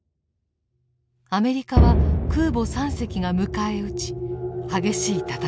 アメリカは空母３隻が迎え撃ち激しい戦いとなりました。